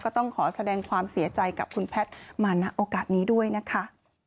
ต้องขอแสดงความเสียใจกับคุณแพทย์มาณโอกาสนี้ด้วยนะคะ